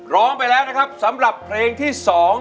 ร้องไปแล้วนะครับสำหรับเพลงที่๒